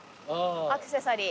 アクセサリー。